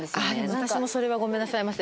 私もそれはごめんなさいませ。